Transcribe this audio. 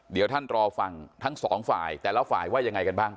เดี๋ยวท่านรอฟังทั้งสองฝ่ายแต่ละฝ่ายว่ายังไงกันบ้าง